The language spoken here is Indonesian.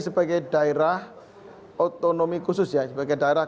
sebagai daerah otonomi khusus ya sebagai daerah